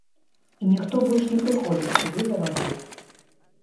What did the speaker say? І ніхто больш не прыходзіць сюды за вадой.